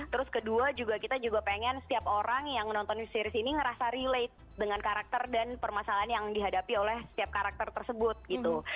terus kedua juga kita juga pengen setiap orang yang nonton series ini ngerasa relate dengan karakter dan permasalahan yang dihadapi oleh setiap karakter tersebut gitu